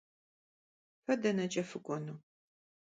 Fe deneç'e fık'uenu?